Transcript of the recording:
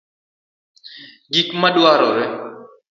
Gik ma dwarore;